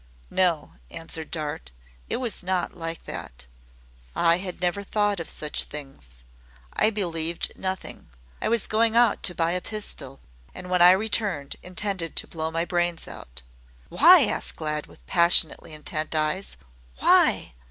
"No," answered Dart; "it was not like that. I had never thought of such things. I believed nothing. I was going out to buy a pistol and when I returned intended to blow my brains out." "Why?" asked Glad, with passionately intent eyes; "why?"